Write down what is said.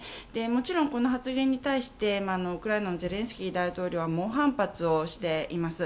もちろんこの発言に対してウクライナのゼレンスキー大統領は猛反発をしています。